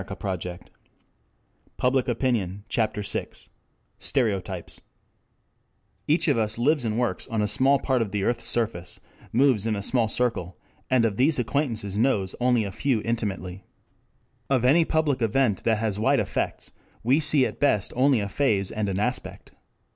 THE DETECTION OF STEREOTYPES CHAPTER VI STEREOTYPES 1 Each of us lives and works on a small part of the earth's surface, moves in a small circle, and of these acquaintances knows only a few intimately. Of any public event that has wide effects we see at best only a phase and an aspect.